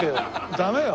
ダメよ。